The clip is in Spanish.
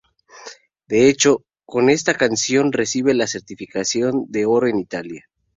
De hecho, con esta canción recibe la certificación de oro en Italia.